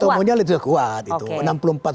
ketua umumnya legitimasinya kuat